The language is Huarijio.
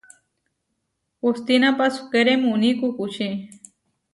Hustína pasúkere muní kukučí.